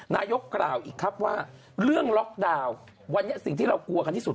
นายกกล่าวอีกครับว่าเรื่องล็อกดาวน์วันนี้สิ่งที่เรากลัวกันที่สุด